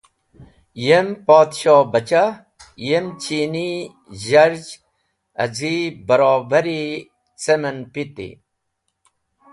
Yem Podshohbachah yem chini zharzh az̃i barobari cem en piti.